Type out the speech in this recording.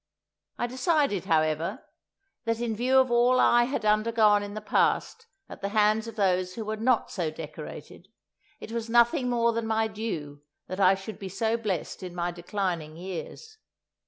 I decided, however, that in view of all I had undergone in the past at the hands of those who were not so decorated, it was nothing more than my due that I should be so blessed in my declining years.